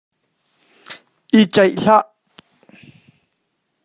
I caih hlah!